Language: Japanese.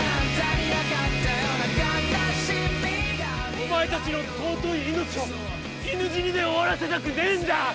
お前たちの尊い命を犬死にで終わらせたくねぇんだ！